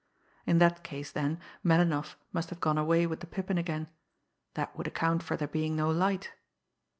In that case, then, Melinoff must have gone away with the Pippin again that would account for there being no light.